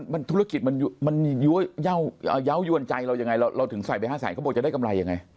มันธุรกิจมันเยาวยวนใจเรายังไงเราถึงใส่ไป๕แสนเขาบอกจะได้กำไรยังไง